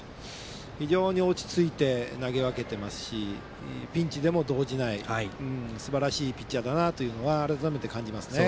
非常に落ち着いて投げ分けてますしピンチでも動じないすばらしいピッチャーだなと改めて感じますね。